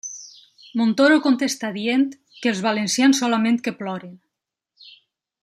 Montoro contestà dient que els valencians solament que ploren.